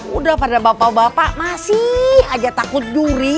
udah pada bapak bapak masih aja takut juri